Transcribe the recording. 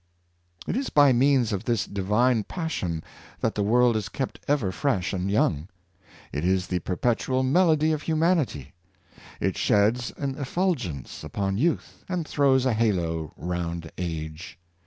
It is by means of this divine passion that the world I^ove mi inspzrer* 563 is kept ever fresh and young. It is the perpetual mel ody of humanity. It sheds an effulgence upon youth, and throws a halo round age.